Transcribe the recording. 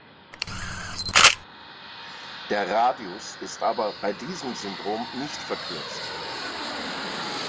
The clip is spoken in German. Der Radius ist aber bei diesem Syndrom nicht verkürzt.